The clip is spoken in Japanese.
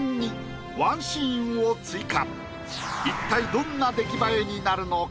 一体どんな出来栄えになるのか？